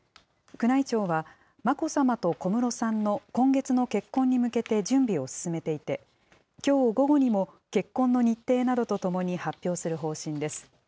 宮内庁は、眞子さまと小室さんの今月の結婚に向けて準備を進めていて、きょう午後にも結婚の日程などとともに発表する方針です。